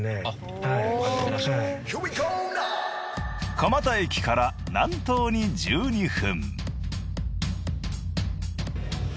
蒲田駅から南東に１２分。